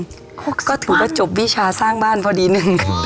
ก็ถือว่าจบวิชาสร้างบ้านพอดีหนึ่ง